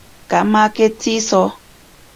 Kamake tziso.